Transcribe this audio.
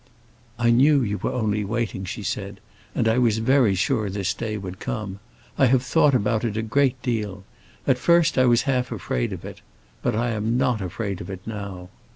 "I knew you were only waiting," she said; "and I was very sure this day would come. I have thought about it a great deal. At first I was half afraid of it. But I am not afraid of it now."